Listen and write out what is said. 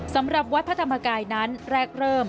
สำหรับวัดพระธรรมกายนั้นแรกเริ่ม